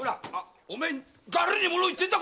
おめえ誰にもの言ってんだ。